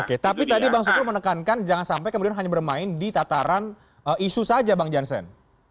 oke tapi tadi bang sukur menekankan jangan sampai kemudian hanya bermain di tataran isu saja bang jansen